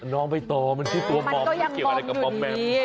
น้องไปต่อมันที่ตัวมอมมันเกี่ยวอะไรกับมอมแมม